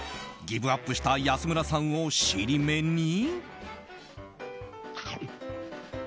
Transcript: ギブアップした安村さんを尻目に。